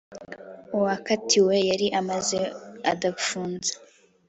uwakatiwe yari amaze adafunze